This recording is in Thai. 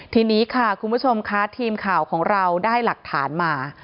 ทีนี้ค่ะคุณผู้ชมค่ะทีมข่าวของเราได้หลักฐานมา